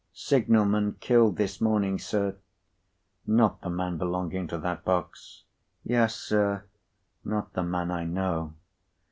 "Signal man killed this morning, sir." "Not the man belonging to that box?" "Yes, sir." "Not the man I know?"